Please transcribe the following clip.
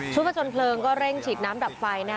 ประจนเพลิงก็เร่งฉีดน้ำดับไฟนะ